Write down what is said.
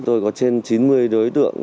tôi có trên chín mươi đối tượng